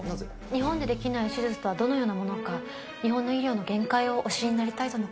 日本で出来ない手術とはどのようなものか日本の医療の限界をお知りになりたいとの事で。